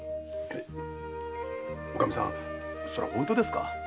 おかみさんそれは本当ですか？